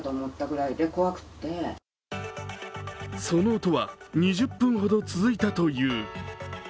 その音は、２０分ほど続いたという。